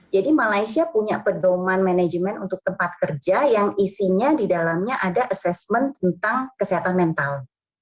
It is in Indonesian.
jadi malaysia punya pedoman manajemen untuk tempat kerja yang isinya di dalamnya ada assessment tentang kesehatan mental